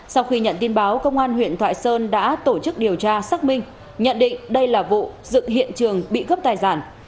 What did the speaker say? sau khi nhận tin báo công an huyện thoại sơn đã tổ chức điều tra xác minh nhận định đây là vụ dựng hiện trường bị cướp tài sản